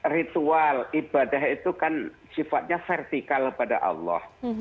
ritual ibadah itu kan sifatnya vertikal pada allah